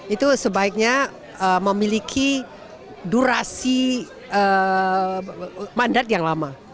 itu sebaiknya memiliki durasi mandat yang lama